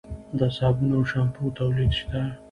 د صابون او شامپو تولید شته؟